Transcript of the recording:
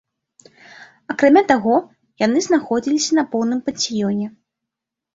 Акрамя таго, яны знаходзіліся на поўным пансіёне.